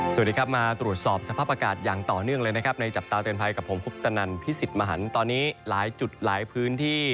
สวัสดีครับมาตรวจสอบสภาพอากาศอย่างต่อเนื่องเลยนะครับในจับตาเตือนภัยกับผมคุปตนันพิสิทธิ์มหันตอนนี้หลายจุดหลายพื้นที่